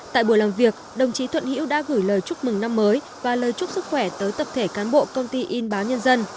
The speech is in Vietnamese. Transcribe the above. tại buổi làm việc đồng chí thuận hiễu đã gửi lời chúc mừng năm mới và lời chúc sức khỏe tới tập thể cán bộ công ty in báo nhân dân